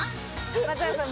松永さん